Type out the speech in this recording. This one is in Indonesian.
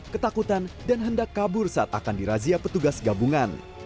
ketakutan dan hendak kabur saat akan dirazia petugas gabungan